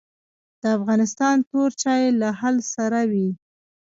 د افغانستان تور چای له هل سره وي